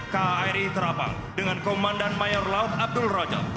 kri terapung dengan komandan mayor laut abdul rajab